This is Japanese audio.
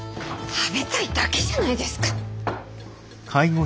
食べたいだけじゃないですか。